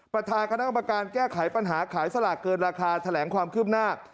ประธานคณะกรรมการแก้ไขปัญหาขายสลากเกินราคาแถลงความคืบหน้า